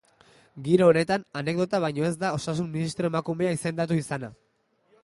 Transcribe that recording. Giro honetan, anekdota baino ez da osasun ministro emakumea izendatu izana.